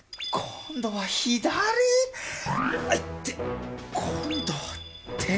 今度は手？